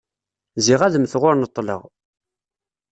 Ziɣ ad mteɣ ur neṭleɣ.